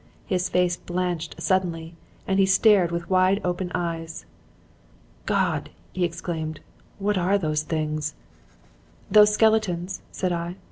His face blanched suddenly and he stared with wide open eyes. "'God!' he exclaimed, 'what are those things?' "'Those skeletons?' said I.